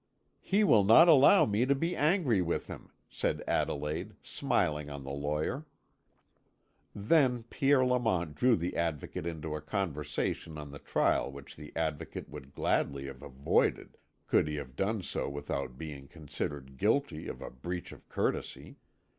"He will not allow me to be angry with him," said Adelaide, smiling on the lawyer. Then Pierre Lamont drew the Advocate into a conversation on the trial which the Advocate would gladly have avoided, could he have done so without being considered guilty of a breach of courtesy.